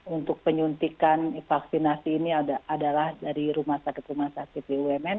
untuk penyuntikan vaksinasi ini adalah dari rumah sakit rumah sakit bumn